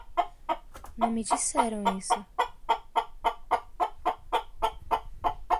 Não me disseram isso.